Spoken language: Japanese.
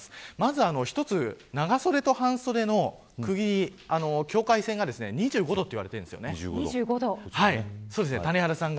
まずは長袖と半袖の境界線が２５度と言われています。